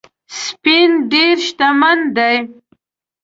سپین ډېر شتمن دی